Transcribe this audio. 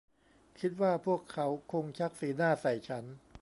คิดว่าพวกเขาคงชักสีหน้าใส่ฉัน